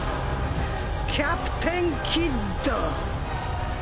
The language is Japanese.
キャプテン・キッド。